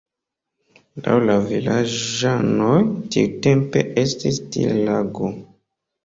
Laŭ la vilaĝanoj tiutempe estis tie lago.